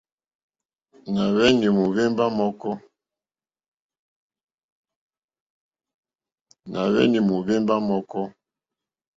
Nà hwenì mohvemba mɔ̀kɔ.